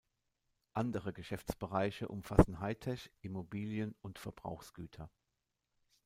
Andere Geschäftsbereiche umfassen Hightech, Immobilien und Verbrauchsgüter.